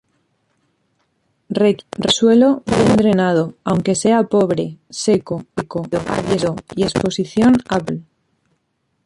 Requiere suelo bien drenado aunque sea pobre, seco árido y exposición a pleno sol.